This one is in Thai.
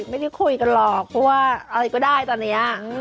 ไม่ได้คุยกันหรอกเพราะว่าอะไรก็ได้ตอนนี้